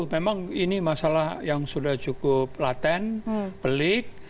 memang ini masalah yang sudah cukup laten pelik